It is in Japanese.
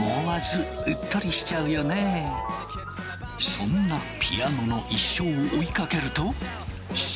そんなピアノの一生を追いかけると。